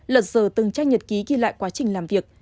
lật giờ từng tranh nhật ký ghi lại quá trình làm việc